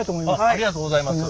ありがとうございます。